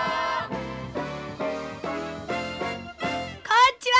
こんにちは。